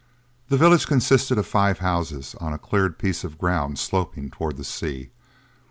The village consisted of five houses, on a cleared piece of ground sloping toward the sea.